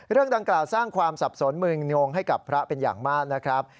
เรื่องดังกล่าวสร้างความสับสนมึงงให้กับพระเป็นอย่างมากนะครับ